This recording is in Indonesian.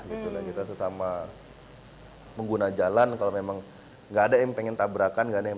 gitu dan kita sesama pengguna jalan kalau memang nggak ada yang pengen tabrakan nggak ada yang